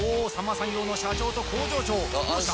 産業の社長と工場長どうした？